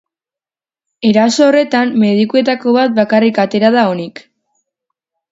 Eraso horretan medikuetako bat bakarrik atera da onik.